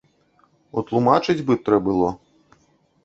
Утлумачыць бы трэ было.